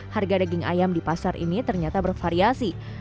harga daging ayam di pasar ini ternyata bervariasi